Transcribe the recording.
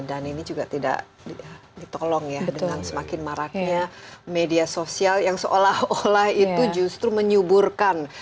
dan ini juga tidak ditolong ya dengan semakin maraknya media sosial yang seolah olah itu justru menyuburkan